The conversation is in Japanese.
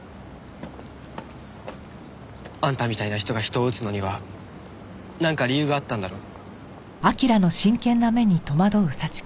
あんたみたいな人が人を撃つのにはなんか理由があったんだろ？